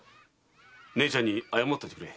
姉ちゃんに謝っておいてくれ。